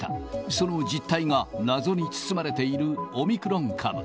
その実態が謎に包まれているオミクロン株。